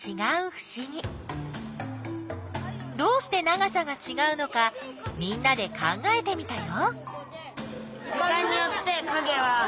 どうして長さがちがうのかみんなで考えてみたよ。